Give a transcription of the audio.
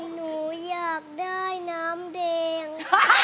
หนูอยากได้น้ำแดง